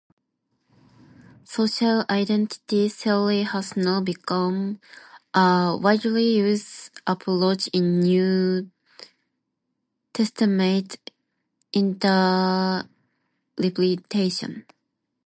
Social identity theory has now become a widely used approach in New Testament interpretation.